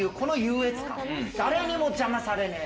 誰にも邪魔されねえ。